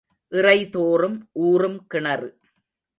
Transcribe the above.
இறைத்தோறும் ஊறும் கிணறு.